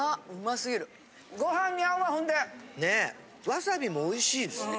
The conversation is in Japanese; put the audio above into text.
わさびもおいしいですね。